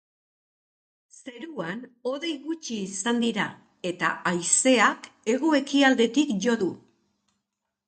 Zeruan hodei gutxi izan dira eta haizeak hego-ekialdetik jo du.